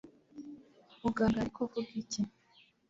muganga yari kuvuga iki